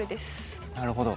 なるほど。